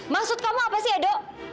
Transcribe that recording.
maksud kamu apa sih ya dok